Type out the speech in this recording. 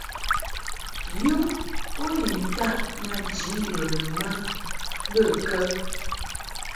Yum u ni ntaʼ maji yɔ lum a bə kə ?